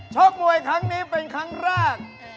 ชกมวยครั้งนี้เป็นครั้งแรก